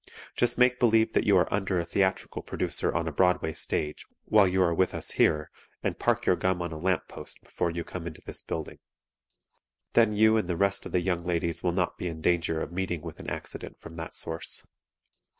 Just make believe that you are under a theatrical producer on a Broadway stage, while you are with us here, and park your gum on a lamp post before you come into this building. Then you and the rest of the young ladies will not be in danger of meeting with an accident from that source.